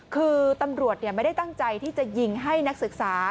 คือตำรวจไม่ได้ตั้งใจที่จะยิงให้นักศึกษา